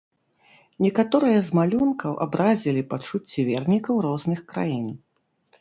Некаторыя з малюнкаў абразілі пачуцці вернікаў розных краін.